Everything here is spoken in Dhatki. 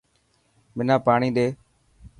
منا پاڻي ڏي.